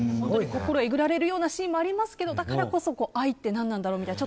心えぐられるようなシーンもありますけどだからこそ愛って何なんだろうみたいな。